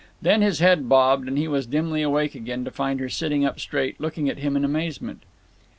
Then his head bobbed, and he was dimly awake again, to find her sitting up straight, looking at him in amazement.